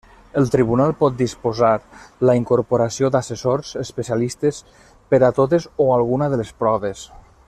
El tribunal pot disposar la incorporació d'assessors especialistes per a totes o alguna de les proves.